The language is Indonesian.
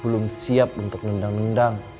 belum siap untuk nendang nendang